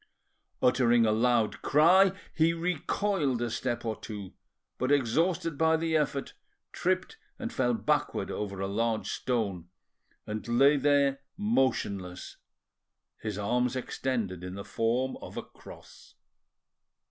Uttering a loud cry, he recoiled a step or two, but, exhausted by the effort, tripped and fell backward over a large stone, and lay there motionless, his arms extended in the form of a cross.